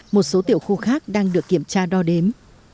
một số tiểu khu khác đang được kiểm tra đo đếm